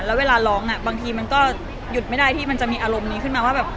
แล้วเวลาร้องบางทีมันก็หยุดไม่ได้ที่มันจะมีอารมณ์นี้ขึ้นมาว่าแบบ